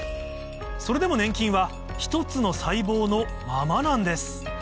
それでも粘菌は１つの細胞のままなんです